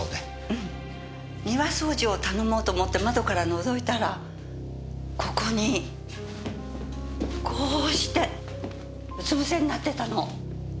うん庭掃除を頼もうと思って窓から覗いたらここにこうしてうつ伏せになってたの。